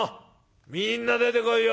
みんな出てこいよ。